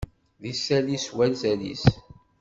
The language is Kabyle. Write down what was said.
D isalli s wazal-is.